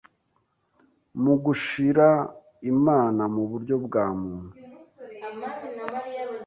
mugushira imana muburyo bwa muntu